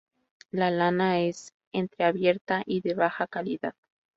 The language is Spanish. La lana es entreabierta y de baja calidad.